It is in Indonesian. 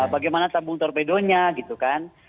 bagaimana tambung torpedo nya gitu kan